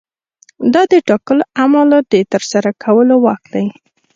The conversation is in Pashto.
دا د ټاکلو اعمالو د ترسره کولو واک دی.